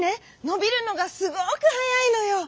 のびるのがすごくはやいのよ。